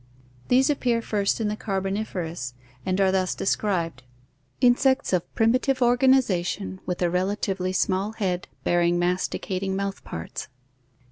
These appear first in the Carboniferous and are thus described: Insects of primitive organiza tion, with a relatively small head bear ing masticating mouth parts.